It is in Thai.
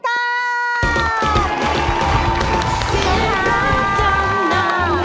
สวัสดีค่ะ